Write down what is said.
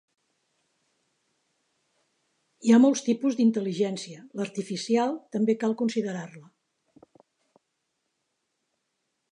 Hi ha molts tipus d'intel·ligència, l'artificial també cal considerar-la.